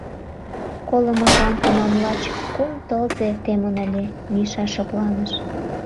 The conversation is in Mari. Колымыжлан тунам лач кум тылзе темын ыле, — Миша шыпланыш.